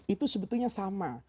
itu sebetulnya sama